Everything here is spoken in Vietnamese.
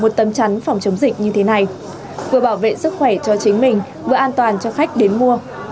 một tấm chắn phòng chống dịch như thế này vừa bảo vệ sức khỏe cho chính mình vừa an toàn cho khách đến mua